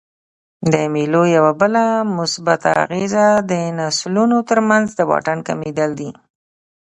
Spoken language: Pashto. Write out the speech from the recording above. د مېلو یوه بله مثبته اغېزه د نسلونو ترمنځ د واټن کمېدل دي.